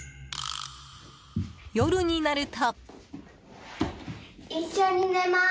夜になると。